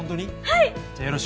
はい！